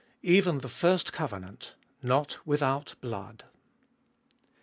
EVEN THE FIRST COVENANT— NOT WITHOUT BLOOD.